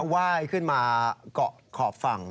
ไหว้ขึ้นมาเกาะขอบฝั่ง